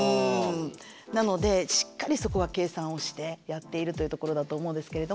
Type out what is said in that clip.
なのでしっかりそこは計算をしてやっているというところだと思うんですけれども。